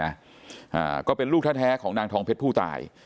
อ่าก็เป็นลูกแท้แท้ของนางทองเพชรผู้ตาย